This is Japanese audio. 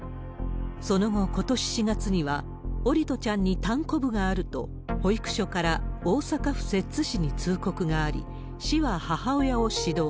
その後、ことし４月には桜利斗ちゃんにたんこぶがあると、保育所から大阪府摂津市に通告があり、市は母親を指導。